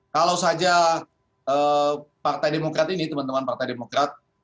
kalau saja partai demokrat ini teman teman partai demokrat